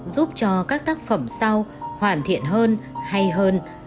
giúp cho các tác phẩm sau hoàn thiện hơn hay hơn